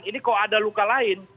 ini kok ada luka lain